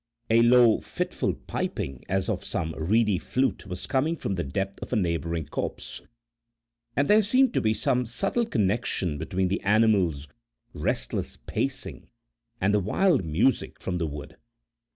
A low, fitful piping, as of some reedy flute, was coming from the depth of a neighbouring copse, and there seemed to be some subtle connection between the animal's restless pacing and the wild music from the wood.